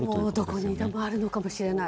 どこにでもあるのかもしれない。